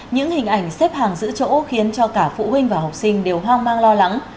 những hình ảnh xếp hàng giữ chỗ khiến cho cả phụ huynh và học sinh đều hoang mang lo lắng